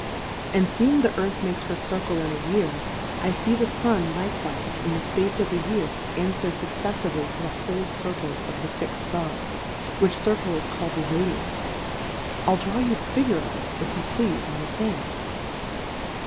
And feeing the Earth makes her Circle in a Year, I fee the Sun like wife in the fpace of a Year anfwer fuc ceffively to the whole Circle of the fix'd Stars, which Circle is calPd the Zj;^diack : rU draw you the Figure of it, if you pleafe, on the Sand?